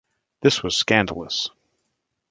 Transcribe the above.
This was scandalous.